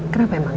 kenapa emang ya